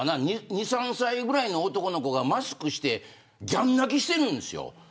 ２、３歳ぐらいの男の子がマスクをしてギャン泣きしているんですよ。